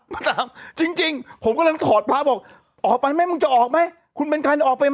มาถามจริงผมกำลังถอดภาพบอก